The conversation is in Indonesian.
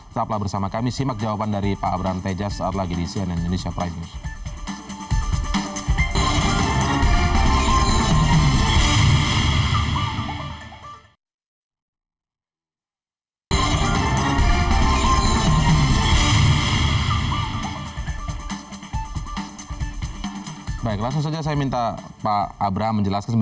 kita bersama kami simak jawaban dari pak abraham teja saat lagi di cnn indonesia prime news